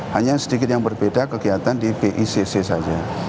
hanya sedikit yang berbeda kegiatan di bicc saja